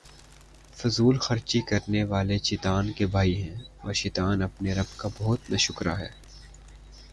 فضول خرچی کرنے والے شیطان کے بھائی ہیں، اور شیطان اپنے رب کا بہت ناشکرا ہے